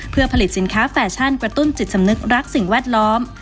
เพื่อผลิตสินค้าแฟชั่นกระตุ้นจิตสำนึกรักสิ่งแวดล้อม